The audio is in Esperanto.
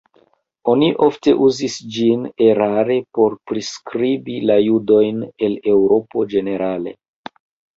Oni ofte uzis ĝin erare por priskribi la judojn el Eŭropo ĝenerale.